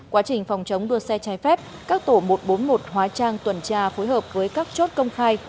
quá trình phòng chống đua xe trái phép các tổ một trăm bốn mươi một hóa trang tuần tra phối hợp với các chốt công khai